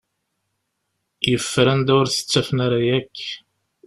Yeffer anda ur t-ttafen ara akk.